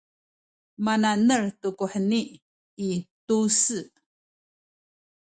mana’nel tu ku heni i tu-se